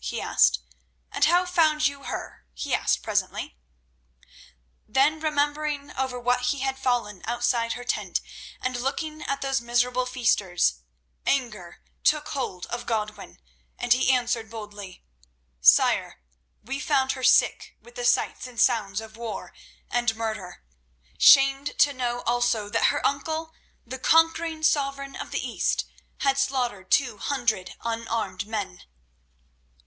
he asked; "and how found you her?" he asked presently. Then, remembering over what he had fallen outside her tent, and looking at those miserable feasters, anger took hold of Godwin, and he answered boldly: "Sire, we found her sick with the sights and sounds of war and murder; shamed to know also that her uncle, the conquering sovereign of the East, had slaughtered two hundred unarmed men."